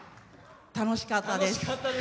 楽しかったです。